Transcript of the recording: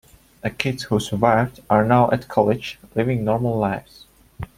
The kids who survived are now at college living normal lives.